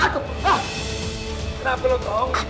kenapa lu dong